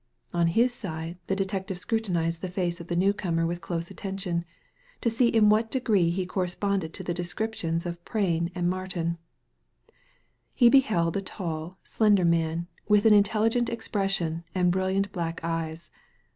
On his side, the detective scrutinized the face of the newcomer with close attention, to see in what degree he corresponded to the descriptions of Prain and Martin. He beheld a tall and slender man, with an intelligent expression and brilliant black eyes.